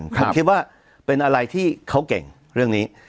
ผมคิดว่าเป็นอะไรที่เขาเก่งเรื่องนี้